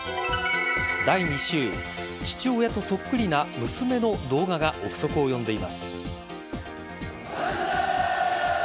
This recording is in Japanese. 第２週父親とそっくりな娘の動画が憶測を呼んでいます。